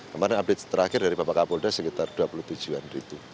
kemarin update terakhir dari bapak kapolda sekitar dua puluh tujuh an itu